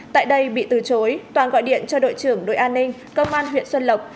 tại đây bị từ chối toàn gọi điện cho đội trưởng đội an ninh công an huyện xuân lộc